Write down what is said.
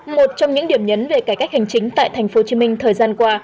một trong những điểm nhấn về cải cách hành chính tại tp hcm thời gian qua